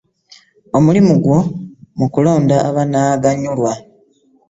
Omulimu gwo mu kulonda abanaaganyulwa.